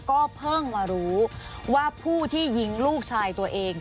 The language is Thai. ก็เพิ่งมารู้ว่าผู้ที่ยิงลูกชายตัวเอง